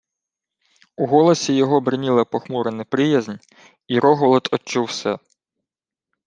У голосі його бриніла похмура неприязнь, і Рогволод одчув се.